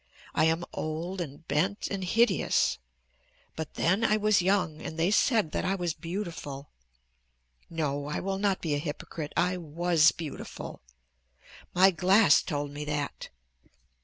I am old and bent and hideous, but then I was young and they said that I was beautiful. No, I will not be a hypocrite; I was beautiful. My glass told me that.